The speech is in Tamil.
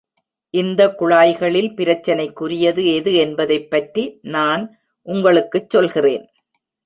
இந்த குழாய்களில் பிரச்சனைக்குரியது எது என்பதைப் பற்றி நான் உங்களுக்குச் சொல்கிறேன்.